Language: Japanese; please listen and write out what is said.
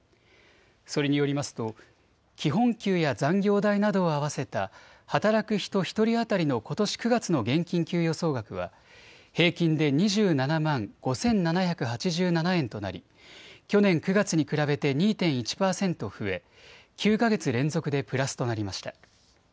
それによりますと基本給や残業代などを合わせた働く人１人当たりのことし９月の現金給与総額は平均で２７万５７８７円となり去年９月に比べて２．１％増え９か月連続でプラスとなりました。